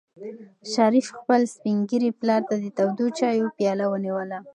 شریف خپل سپین ږیري پلار ته د تودو چایو پیاله ونیوله.